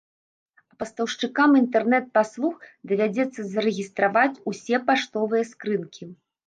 А пастаўшчыкам інтэрнэт-паслуг давядзецца зарэгістраваць усе паштовыя скрынкі.